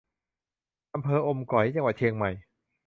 อำเภออมก๋อย จังหวัดเชียงใหม่